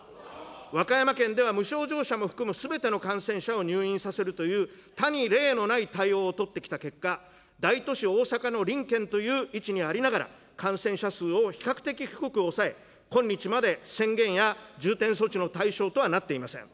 和歌山県では無症状者も含むすべての感染者を入院させるという、他に例のない対応を取ってきた結果、大都市、大阪の隣県という位置にありながら、感染者数を比較的低く抑え、今日まで宣言や重点措置の対象とはなっていません。